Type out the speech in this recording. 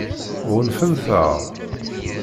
Ɣunfant-aɣ?